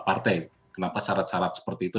partai kenapa syarat syarat seperti itu